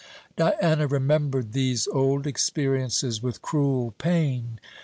Diana remembered these old experiences with cruel pain.